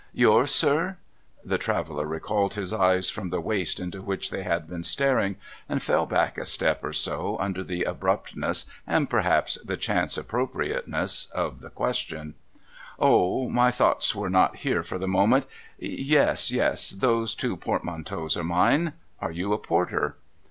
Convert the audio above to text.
'^ Yours, sir ?' The traveller recalled his eyes from the waste into which they had been staring, and fell back a step or so under the abruptness, and perhaps the chance appropriateness, of the question. ' Oh ! My thoughts were not here for the moment. Yes. Yes. Those two portmanteaus are mine. Are you a Porter